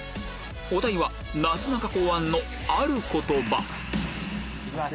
お題はなすなか考案のある言葉行きます。